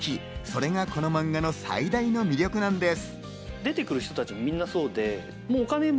それがこのマンガの最大の魅力なんです。